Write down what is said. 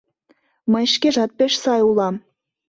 Мый шкежат пеш сай улам!